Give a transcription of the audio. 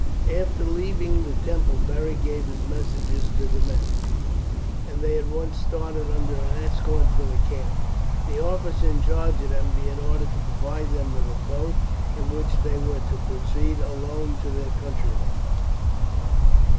After leaving the temple Beric gave his messages to the men, and they at once started under an escort for the camp, the officer in charge of them being ordered to provide them with a boat, in which they were to proceed alone to their countrymen.